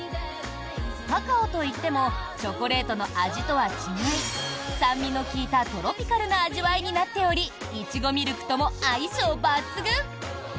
カカオといってもチョコレートの味とは違い酸味の効いたトロピカルな味わいになっておりイチゴミルクとも相性抜群。